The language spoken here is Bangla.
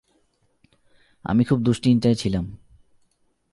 আমি খুব দুশ্চিন্তায় ছিলাম।